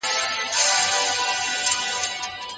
ثمرګل په خپل مخ باندې د لمر ګرمي احساسوله.